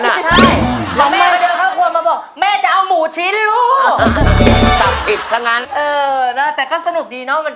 ได้ก่อนไปด้วยโดยไหนเป็นไงบ้างครับ